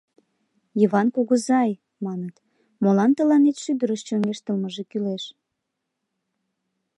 — Йыван кугызай, — маныт, — молан тыланет шӱдырыш чоҥештылмыже кӱлеш?